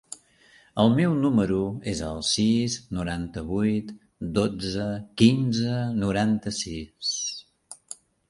El meu número es el sis, noranta-vuit, dotze, quinze, noranta-sis.